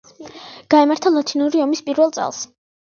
გაიმართა ლათინური ომის პირველ წელს.